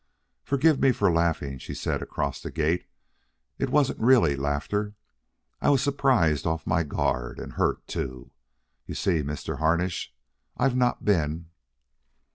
"Forgive me for laughing," she said across the gate. "It wasn't really laughter. I was surprised off my guard, and hurt, too. You see, Mr. Harnish, I've not been..."